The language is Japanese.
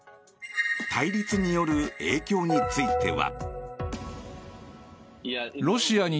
対立による影響については。